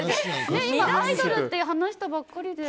今、アイドルって話したばかりで。